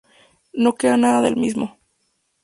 No queda nada del mismo.